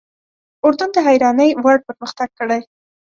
اردن د حیرانۍ وړ پرمختګ کړی.